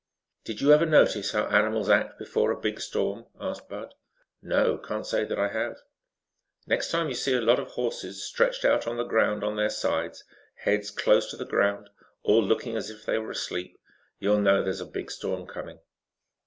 "Did you ever notice how animals act before a big storm?" asked Bud. "No; I can't say that I have." "Next time you see a lot of horses stretched out on the ground on their sides, heads close to the ground, all looking as if they were asleep, you'll know there's a big storm coming."